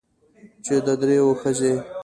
چې د درېو ښځې